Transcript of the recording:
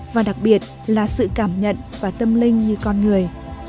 và đặc biệt là sự cảm nhận và tâm linh như con người